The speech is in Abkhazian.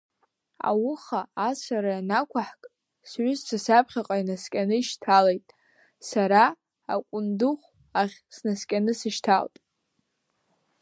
Ауха ацәара ианақәаҳк, сҩызцәа саԥхьаҟа инаскьаны ишьҭалеит, сара акәындыхә ахь снаскьаны сышьҭалт.